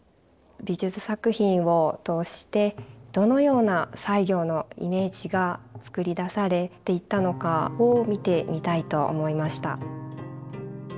美術作品を通してどのような西行のイメージがつくり出されていったのかを見てみたいと思いました。